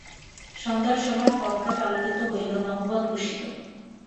সন্ধ্যার সময় পথঘাট আলোকিত হইল, নহবত বসিল।